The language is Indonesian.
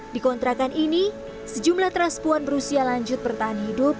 di kontrakan ini sejumlah transpuan berusia lanjut pertahan hidup